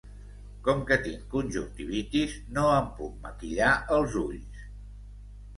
Com que tinc conjuntivitis, no em puc maquillar els ulls.